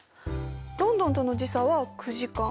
ロンドンとの時差は９時間。